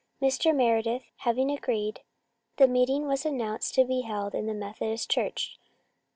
Mr. Meredith having agreed, the meeting was announced to be held in the Methodist Church.